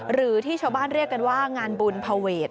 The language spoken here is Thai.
หรือที่ชาวบ้านเรียกกันว่างานบุญภาเวท